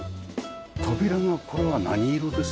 扉のこれは何色ですか？